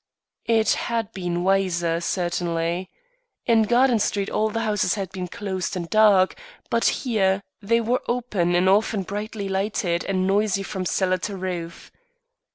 It had been wiser, certainly. In Garden Street all the houses had been closed and dark, but here they were open and often brightly lighted and noisy from cellar to roof.